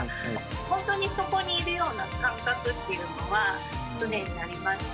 本当にそこにいるような感覚っていうのは、常にありまして。